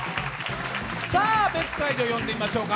別会場、呼んでみましょうか。